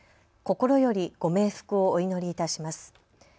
心よりご冥福をお祈りいたします。